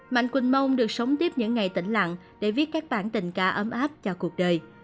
mạnh quỳnh mong được sống tiếp những ngày tỉnh lặng để viết các bản tình ca ấm áp cho cuộc đời